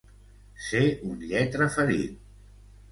Ser un lletraferit.